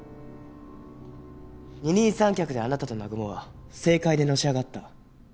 二人三脚であなたと南雲は政界でのし上がった。